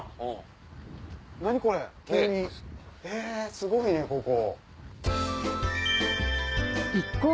すごいねここ。